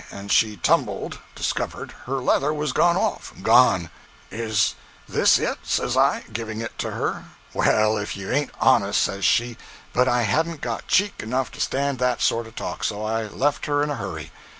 & she tumbled (discovered) her leather was off (gone) is this it says i, giving it to her well if you aint honest, says she, but i hadn't got cheak enough to stand that sort of talk, so i left her in a hurry.